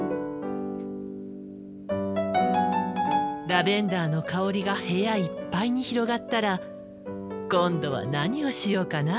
ラベンダーの香りが部屋いっぱいに広がったら今度は何をしようかな。